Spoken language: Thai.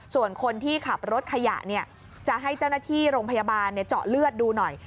ส่วนคนที่ขับรถขยะจะให้เจ้าหน้าที่โรงพยาบาลเจาะเลือดดูหน่อย